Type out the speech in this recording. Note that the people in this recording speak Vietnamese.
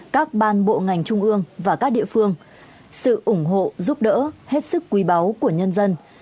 các ban bộ ngành trung ương và các địa phương sự ủng hộ giúp đỡ hết sức quý báu của nhân dân